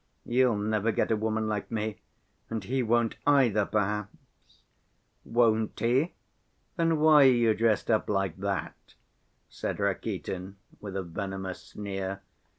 You'll never get a woman like me ... and he won't either, perhaps ..." "Won't he? Then why are you dressed up like that?" said Rakitin, with a venomous sneer.